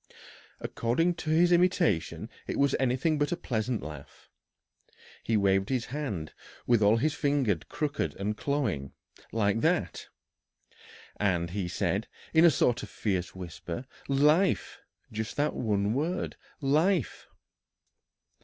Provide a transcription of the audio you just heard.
According to his imitation it was anything but a pleasant laugh. "He waved his hand, with all his fingers crooked and clawing like that. And he said, in a sort of fierce whisper, 'Life!' Just that one word, 'Life!'"